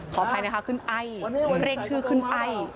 ขออภัยนะคะคุณไอ้เรียกชื่อคุณไอ้